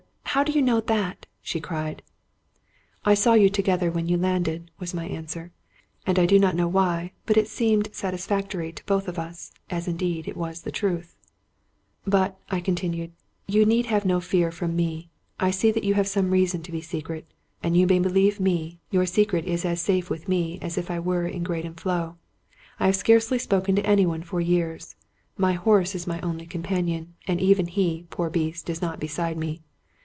How do you know that? " she cried. " I saw you together when you landed," was my answer; and I do not know why, but it seemed satisfactory to both of us, as indeed it was truth. " But," I continued, " you need have no fear from me. I see you have some reason to be secret, and, you may believe me, your secret is as safe with me as if I were in Graden Floe. I have scarce spoken to anyone for years; my horse is 'my only companion, and even he, poor beast, is not beside me.